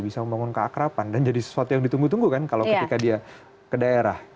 bisa membangun keakrapan dan jadi sesuatu yang ditunggu tunggu kan kalau ketika dia ke daerah